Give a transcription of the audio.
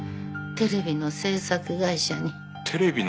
テレビの制作会社？